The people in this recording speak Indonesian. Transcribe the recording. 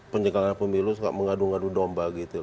penyekalan pemilu mengadu ngadu domba